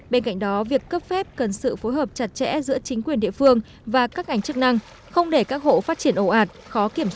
bên cạnh đó việc cấp phép cần sự phối hợp chặt chẽ giữa chính quyền địa phương và các ngành chức năng không để các hộ phát triển ồ ạt khó kiểm soát